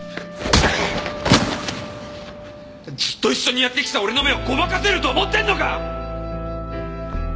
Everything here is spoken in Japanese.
ずっと一緒にやってきた俺の目をごまかせると思ってるのか！